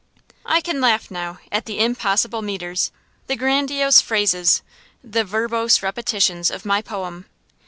I can laugh now at the impossible metres, the grandiose phrases, the verbose repetitions of my poem.